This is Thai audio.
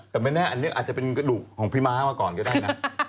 แต่ไม่แน่อันนี้อาจจะเป็นกระดูกของพี่ม้ามาก่อนก็ได้นะ